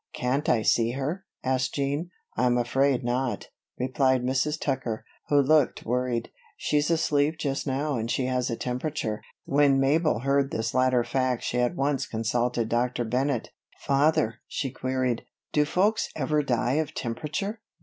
"Can't I see her?" asked Jean. "I'm afraid not," replied Mrs. Tucker, who looked worried. "She's asleep just now and she has a temperature." When Mabel heard this latter fact she at once consulted Dr. Bennett. "Father," she queried, "do folks ever die of temperature?"